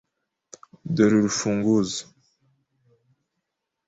Dore urufunguzo .